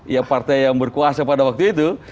ya partai yang berkuasa pada waktu itu